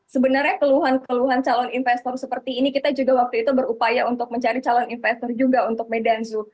sebenarnya keluhan keluhan calon investor seperti ini kita juga waktu itu berupaya untuk mencari calon investor juga untuk medan zoo